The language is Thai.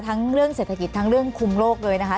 เรื่องเศรษฐกิจทั้งเรื่องคุมโลกเลยนะคะ